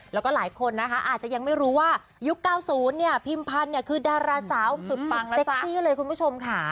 แล้วก็หลายคนนะคะอาจจะยังไม่รู้ว่ายุค๙๐เนี่ยพิมพันธ์คือดาราสาวสุดปังเซ็กซี่เลยคุณผู้ชมค่ะ